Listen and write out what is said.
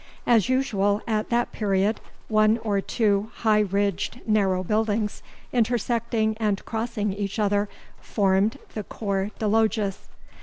As usual at that period, one or two high ridged narrow buildings, intersecting and crossing each other, formed the CORPS DE LOGIS.